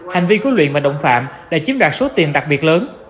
hành vi của luyện và động phạm đã chiếm đoạt số tiền đặc biệt lớn